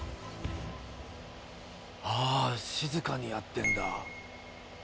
ああ静かにやってるんだ。